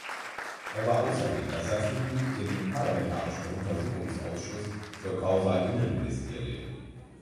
Er war außerdem Ersatzmitglied im parlamentarischen Untersuchungsausschuss zur Causa Innenministerium.